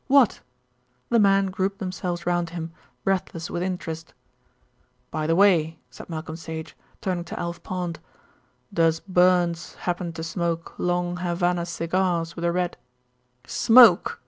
"What?" The men grouped themselves round him, breathless with interest. "By the way," said Malcolm Sage, turning to Alf Pond, "does Burns happen to smoke long Havana cigars with a red " "Smoke!"